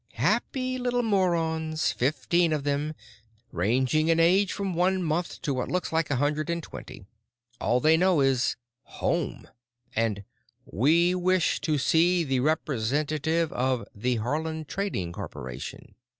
"Happy little morons. Fifteen of them, ranging in age from one month to what looks like a hundred and twenty. All they know is 'home' and 'we wish to see the representative of the Haarland Trading Corporation.